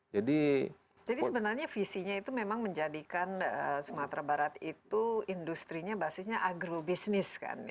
jadi sebenarnya visinya itu memang menjadikan sumatera barat itu industri nya basisnya agrobisnis kan